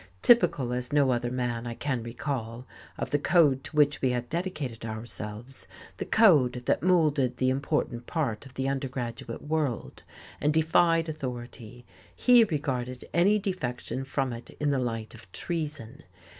Typical as no other man I can recall of the code to which we had dedicated ourselves, the code that moulded the important part of the undergraduate world and defied authority, he regarded any defection from it in the light of treason.